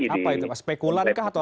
apa itu pak spekulankah atau apa